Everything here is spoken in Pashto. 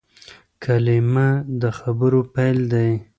کلیمه د خبرو پیل دئ.